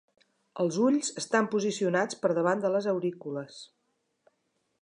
Els ulls estan posicionats per davant de les aurícules.